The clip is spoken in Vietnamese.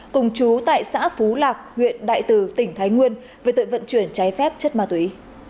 cùng chú tại xã phú lạc huyện đại từ tỉnh thái nguyên về tội vận chuyển trái phép chất ma túy